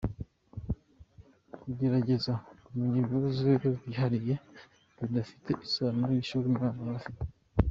Kugerageza kumenya ibibazo byiharihe bidafitanye isano n’ishuri umwana yaba afite.